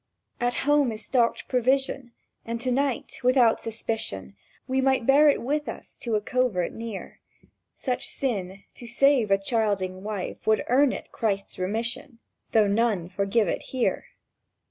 "At home is stocked provision, And to night, without suspicion, We might bear it with us to a covert near; Such sin, to save a childing wife, would earn it Christ's remission, Though none forgive it here!"